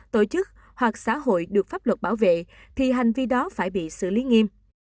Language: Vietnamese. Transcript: tổ chức hoặc xã hội được pháp luật bảo vệ thì hành vi đó phải bị xử lý nghiêm